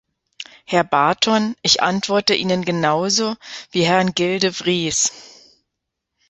Herr Barton, ich antworte Ihnen genauso wie Herrn Gilles de Vries.